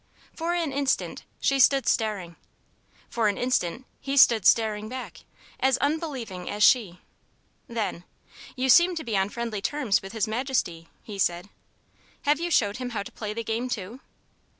For an instant, she stood staring. For an instant, he stood staring back, as unbelieving as she. Then, "You seem to be on friendly terms with His Majesty," he said. "Have you showed him how to play the game, too?"